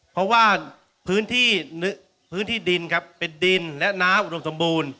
เพราะว่าพื้นที่พื้นที่ดินครับเป็นดินและน้ำอุดมสมบูรณ์